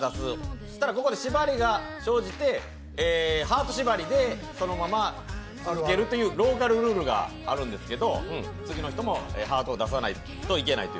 そうしたらここで縛りが生じて、ハート縛りで、そのまま続けるというローカルルールがあるんですけど次の人もハートを出さないといけないと。